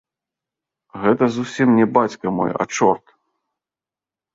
Гэта зусім не бацька мой, а чорт.